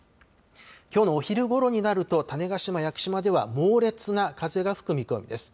きょうのお昼ごろになると、種子島・屋久島では猛烈な風が吹く見込みです。